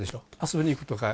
遊びに行くとか。